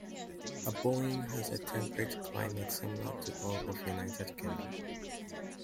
Aboyne has a Temperate climate similar to all of the United Kingdom.